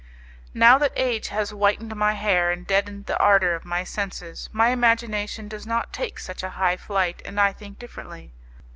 Now that age has whitened my hair and deadened the ardour of my senses, my imagination does not take such a high flight, and I think differently.